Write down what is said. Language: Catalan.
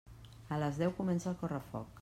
A les deu comença el correfoc.